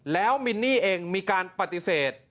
แล้วมินนี่เองมีการปฏิเสธ